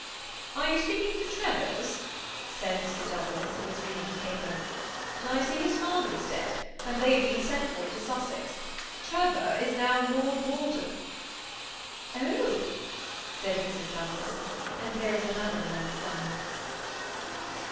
" Are you speaking of the Trevors ?" said Mr. Doug las, who was reading the paper. ^< I see his father is dead, and they have been sent for into Sussex* Trevor is now Lord Walden." ^ Oh !^ said Mrs. Douglas ; and there was another long silence.